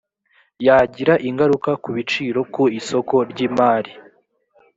yagira ingaruka ku biciro ku isoko ry imari